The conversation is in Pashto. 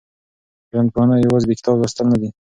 ټولنپوهنه یوازې د کتاب لوستل نه دي.